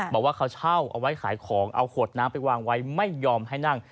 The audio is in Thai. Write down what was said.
บอกว่าเขาเช่าเอาไว้ขายของเอาขวดน้ำไปวางไว้ไม่ยอมให้นั่ง